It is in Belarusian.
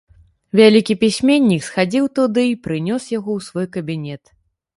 Вялікі пісьменнік схадзіў туды й прынёс яго ў свой кабінет.